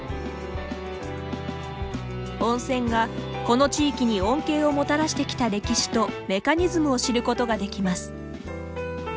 温泉が、この地域に恩恵をもたらしてきた歴史とメカニズムを知ることができます。